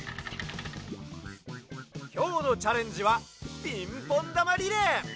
きょうのチャレンジはピンポンだまリレー！